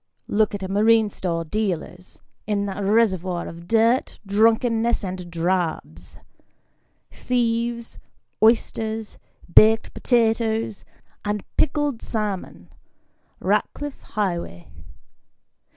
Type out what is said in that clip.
Look at a marine store dealer's in that reservoir of dirt, drunkenness, and drabs : thieves, oysters, baked potatoes, and pickled salmon Ratcliff Highway.